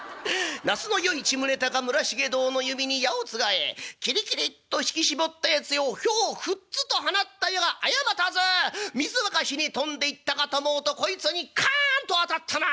「那須与一宗隆村重籐の弓に矢をつがえきりきりっと引き絞ったやつをひょうふっつと放った矢が過ず水沸かしに飛んでいったかと思うとこいつにカンと当たったな。